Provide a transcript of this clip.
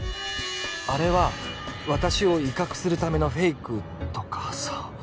あれは私を威嚇するためのフェイクとかさ